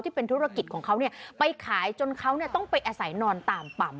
ที่เป็นธุรกิจของเขาไปขายจนเขาต้องไปอาศัยนอนตามปั๊ม